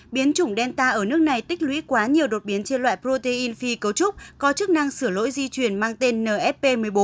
biến chủng delta ở nước này tích lũy quá nhiều đột biến trên loại protein phi cấu trúc có chức năng sửa lỗi di chuyển mang tên nfp một mươi bốn